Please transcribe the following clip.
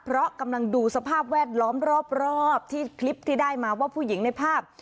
เพราะกำลังดูสภาพแวดล้อมรอบที่คลิปที่ได้มาว่าผู้หญิงในภาพ